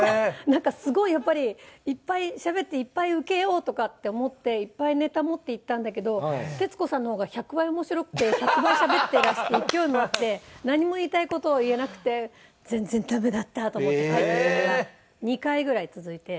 「なんかすごいやっぱりいっぱいしゃべっていっぱいウケようとかって思っていっぱいネタ持っていったんだけど徹子さんの方が１００倍面白くて１００倍しゃべっていらして勢いもあって何も言いたい事を言えなくて全然ダメだったと思って帰ってきたのが２回ぐらい続いて」